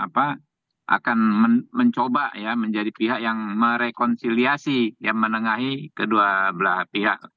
apa akan mencoba ya menjadi pihak yang merekonsiliasi yang menengahi kedua belah pihak